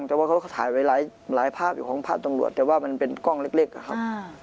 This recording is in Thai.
แต่ว่าเขาก็ถ่ายไว้หลายภาพอยู่ของภาพตำรวจแต่ว่ามันเป็นกล้องเล็กอะครับ